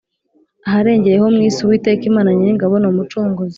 aharengeye ho mu isi Uwiteka Imana Nyiringabo ni umucunguzi.